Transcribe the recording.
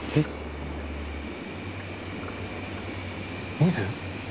ミズ？